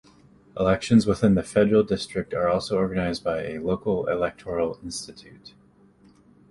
Elections within the Federal District are also organized by a local electoral institute.